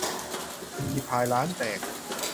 พิมรี่พาย ล้านแตก